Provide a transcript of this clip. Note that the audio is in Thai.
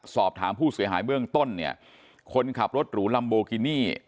สอบถามผู้เสียหายเบื้องต้นเนี่ยคนขับรถหรูลัมโบกินี่